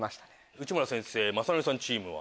内村先生・雅紀さんチームは？